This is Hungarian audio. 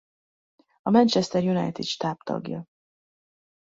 A Manchester United stáb tagja.